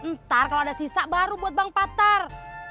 ntar kalo ada sisa baru buat bang patar